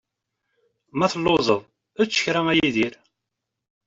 Ma telluẓeḍ, ečč kra a Yidir.